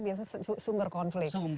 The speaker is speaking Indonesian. biasanya sumber konflik